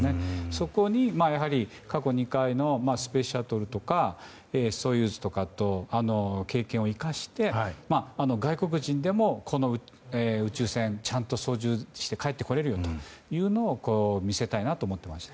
そこに過去２回の「スペースシャトル」とか「ソユーズ」とかの経験を生かして外国人でも宇宙船をちゃんと操縦して帰ってこれるようにというのを見せたいなと思っていました。